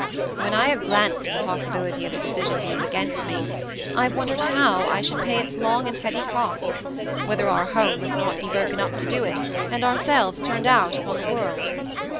"When I have glanced to the possibility of the decision being against me, I have wondered how I should pay its long and heavy costs; whether our home must not be broken up to do it, and ourselves turned out upon the world.